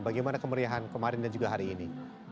bagaimana kemeriahan kemarin dan juga hari ini